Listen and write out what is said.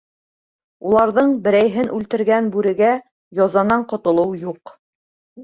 Уларҙың берәйһен үлтергән бүрегә язанан ҡотолоу юҡ.